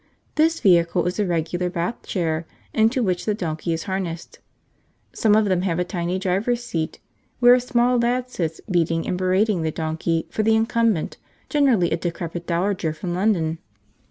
This vehicle is a regular Bath chair, into which the donkey is harnessed. Some of them have a tiny driver's seat, where a small lad sits beating and berating the donkey for the incumbent, generally a decrepit dowager from London.